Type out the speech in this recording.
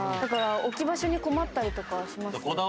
置き場所に困ったりとかします。